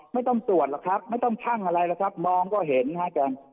ไม่ต้องตรวจหรอกครับไม่ต้องชั่งอะไรหรอกครับมองก็เห็นฮะอาจารย์